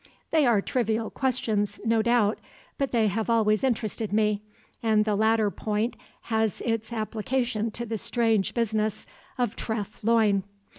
They are trivial questions, no doubt, but they have always interested me, and the latter point has its application to the strange business of Treff Loyne.